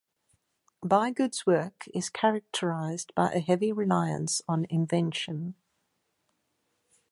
Bigood's work is characterized by a heavy reliance on invention.